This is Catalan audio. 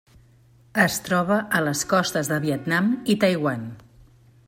Es troba a les costes de Vietnam i Taiwan.